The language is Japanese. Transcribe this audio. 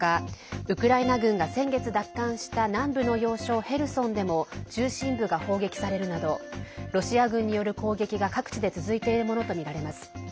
ウクライナ軍が先月奪還した南部の要衝ヘルソンでも中心部が砲撃されるなどロシア軍による攻撃が各地で続いているものとみられます。